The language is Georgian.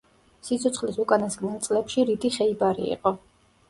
სიცოცხლის უკანასკნელ წლებში რიდი ხეიბარი იყო.